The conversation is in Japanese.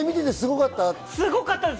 すごかったです。